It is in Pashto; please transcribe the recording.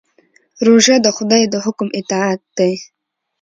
روژه د خدای د حکم اطاعت دی.